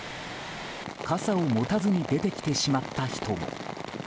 傘を持たずに出てきてしまった人も。